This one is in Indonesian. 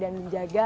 dan terima kasih